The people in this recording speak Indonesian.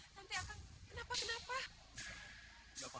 jangan kak nanti akan kenapa kenapa